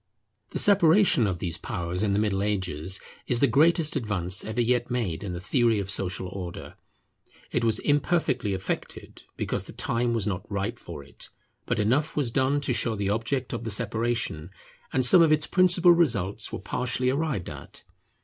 The separation of these powers in the Middle Ages is the greatest advance ever yet made in the theory of social Order. It was imperfectly effected, because the time was not ripe for it; but enough was done to show the object of the separation, and some of its principal results were partially arrived at.